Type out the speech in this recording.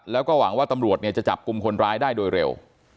แล้วก็หวังว่าตำรวจจะจับกลุ่มคนร้ายได้โดยเร็ว